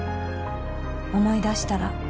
「思い出したら」